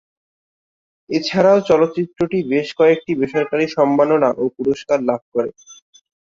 এছাড়াও চলচ্চিত্রটি বেশ কয়েকটি বেসরকারি সম্মাননা ও পুরস্কার লাভ করে।